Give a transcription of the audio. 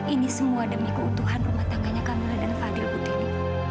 ini semua demi keutuhan rumah tangganya kamila dan fadil buteri